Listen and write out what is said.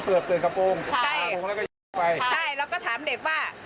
เสือบเตือนกระปุ้งหลังแล้วก็ยุ่งไปใช่ใช่แล้วก็ถามเด็กว่า